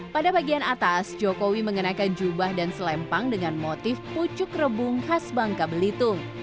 pada bagian atas jokowi mengenakan jubah dan selempang dengan motif pucuk rebung khas bangka belitung